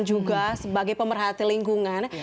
seorang seniman juga sebagai pemerhati lingkungan